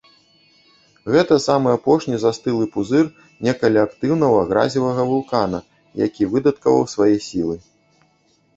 Гэта самы апошні застылы пузыр некалі актыўнага гразевага вулкана, які выдаткаваў свае сілы.